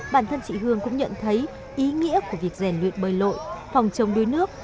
bản thân chị hương cũng nhận thấy ý nghĩa của việc rèn luyện bơi lội phòng trồng đuôi nước